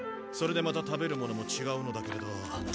それでまた食べるものも違うのだけれど。